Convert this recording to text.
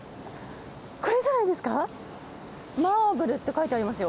これじゃないですか？